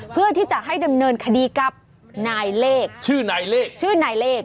เพื่อที่จะให้ดำเนินคดีกับนายเลกชื่อนายเลก